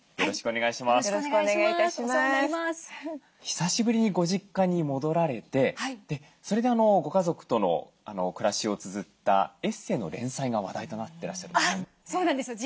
久しぶりにご実家に戻られてそれでご家族との暮らしをつづったエッセーの連載が話題となってらっしゃるんですよね。